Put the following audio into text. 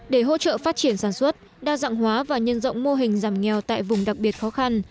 để hỗ trợ phát triển sản xuất đa dạng hóa và nhân rộng mô hình giảm nghèo tại vùng đặc biệt khó khăn